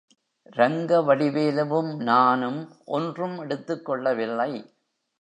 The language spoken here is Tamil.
ரங்கவடிவேலுவும், நானும் ஒன்றும் எடுத்துக்கொள்ளவில்லை.